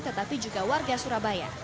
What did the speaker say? tetapi juga warga surabaya